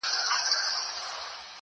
دا ځان کي ورک شې بل وجود ته ساه ورکوي~